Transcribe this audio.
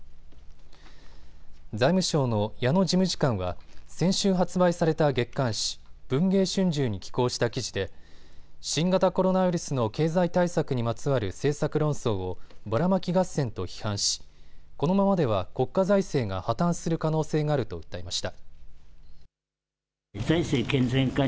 財務省の矢野事務次官は先週発売された月刊誌、文藝春秋に寄稿した記事で新型コロナウイルスの経済対策にまつわる政策論争をバラマキ合戦と批判しこのままでは国家財政が破綻する可能性があると訴えました。